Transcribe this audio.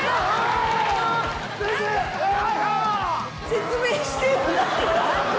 説明して。